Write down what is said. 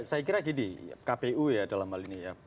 saya kira gini kpu ya dalam hal ini ya